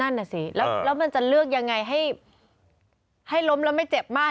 นั่นน่ะสิแล้วมันจะเลือกยังไงให้ล้มแล้วไม่เจ็บมาก